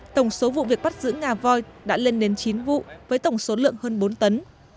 tổng số vụ việc bắt giữ ngà voi đã lên đến chín vụ với tổng số lượng hơn bốn tấn